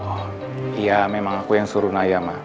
oh iya memang aku yang suruh naya ma